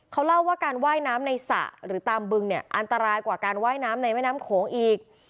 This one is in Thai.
เขาเล่าว่าการว่ายน้ำในสระหรือตามบึงเนี่ยอันตรายกว่าการว่ายน้ำในแม่น้ำโขงอีก